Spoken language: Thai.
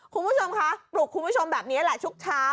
คุณผู้ชมคะปลุกคุณผู้ชมแบบนี้แหละทุกเช้า